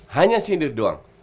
hanya sindir doang